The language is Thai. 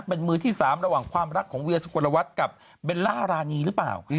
เป็นมือที่๓ระหว่างความรักของเวียสุกลวัตรกับเบลล่ารานีหรือเปล่า